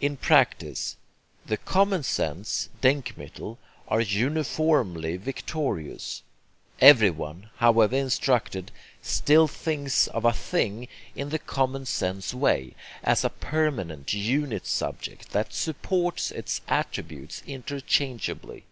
In practice, the common sense DENKMITTEL are uniformly victorious. Everyone, however instructed, still thinks of a 'thing' in the common sense way, as a permanent unit subject that 'supports' its attributes interchangeably.